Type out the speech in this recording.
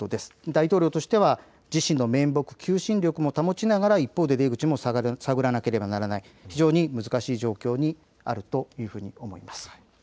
大統領としては自身の面目、求心力も保ちながら一方で出口も探らなければならない非常に難しい状況にあるというふうに思います。